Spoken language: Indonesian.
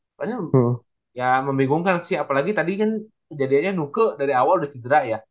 pokoknya ya membingungkan sih apalagi tadi kan kejadiannya nuke dari awal udah cedera ya